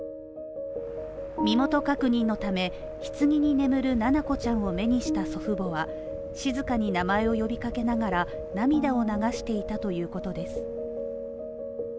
身元確認のためひつぎに眠る七菜子ちゃんを目にした祖父母は静かに名前を呼びかけながら涙を流していたということです。